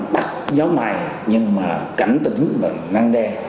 bắt nhóm này nhưng mà cảnh tỉnh và năn đe